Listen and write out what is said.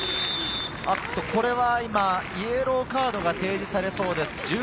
これはイエローカードが提示されそうです。